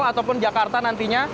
ataupun jakarta nantinya